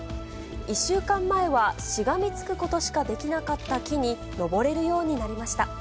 １週間前はしがみつくことしかできなかった木に登れるようになりました。